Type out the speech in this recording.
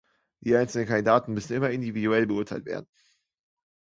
Die einzelnen Kandidaten müssen immer individuell beurteilt werden.